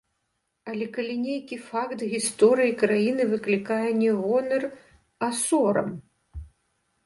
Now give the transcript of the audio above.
Але, калі нейкі факт гісторыі краіны выклікае не гонар, а сорам?